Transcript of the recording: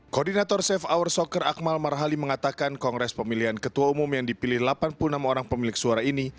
koordinator safe hour soccer akmal marhali mengatakan kongres pemilihan ketua umum yang dipilih delapan puluh enam orang pemilik suara ini